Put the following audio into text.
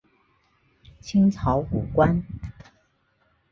清朝武官。